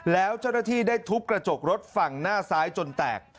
แล้วเจ้าหน้าที่ได้ทุบกระจกรถฝั่งหน้าซ้ายจนแตก